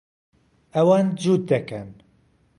ئەوان جووت دەکەن.